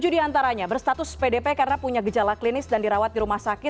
tujuh diantaranya berstatus pdp karena punya gejala klinis dan dirawat di rumah sakit